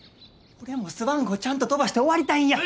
俺もスワン号ちゃんと飛ばして終わりたいんや。